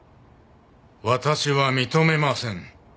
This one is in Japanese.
私は認めません。